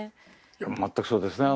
全くそうですね。